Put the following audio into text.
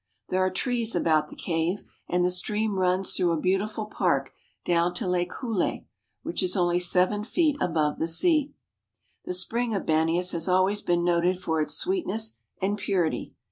There are trees about the cave and the stream runs through a beautiful park down to Lake Huleh, which is only seven feet above the sea. The spring of Banias has always been noted for its sweetness and purity.